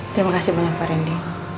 terima kasih banyak pak randy